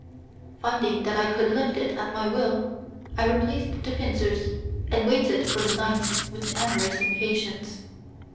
Finding that I could lift it at my will, I replaced the pincers, and waited for the night with amorous impatience.